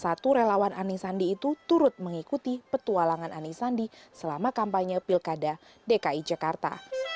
satu relawan anies sandi itu turut mengikuti petualangan ani sandi selama kampanye pilkada dki jakarta